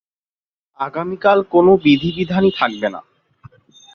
আগামীকাল কোন বিধি-বিধানই থাকবে না।